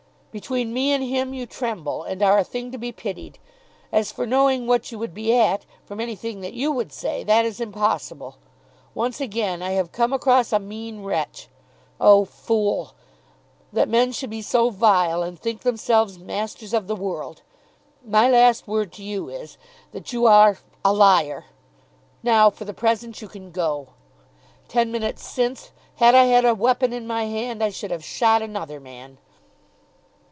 Between me and him you tremble, and are a thing to be pitied. As for knowing what you would be at, from anything that you would say, that is impossible. Once again I have come across a mean wretch. Oh, fool! that men should be so vile, and think themselves masters of the world! My last word to you is, that you are a liar. Now for the present you can go. Ten minutes since, had I had a weapon in my hand I should have shot another man."